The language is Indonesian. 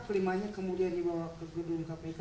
kelimanya kemudian dibawa ke gedung kpk